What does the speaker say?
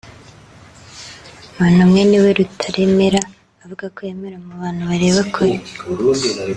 umuntu umwe niwe Rutaremara avuga ko yemera “mu bantu bareba kure”